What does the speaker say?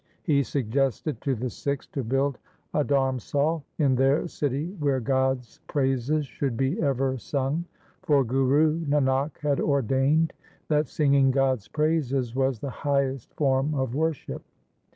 He suggested to the Sikhs to build a dharmsal in their city where God's praises should be ever sung, for Guru Nanak had ordained that singing God's praises was the highest form of worship.